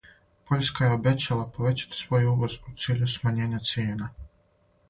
Пољска је обећала повећати свој увоз у циљу смањења цијена.